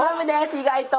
意外と。